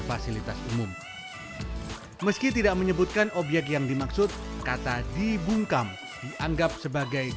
fasilitas umum meski tidak menyebutkan obyek yang dimaksud kata dibungkam dianggap sebagai